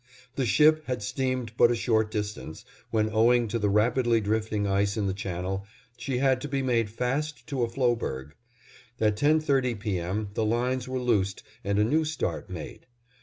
The ship had steamed but a short distance, when, owing to the rapidly drifting ice in the channel, she had to be made fast to a floeberg. At ten thirty P. M., the lines were loosed and a new start made.